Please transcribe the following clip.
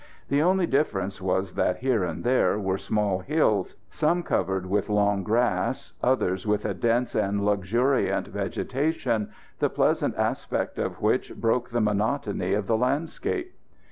The only difference was that here and there were small hills, some covered with long grass, others with a dense and luxuriant vegetation, the pleasant aspect of which broke the monotony of the landscape.